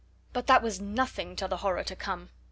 But that was nothing to the horror to come.